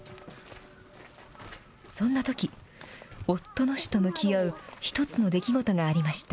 そんなとき、夫の死と向き合う一つの出来事がありました。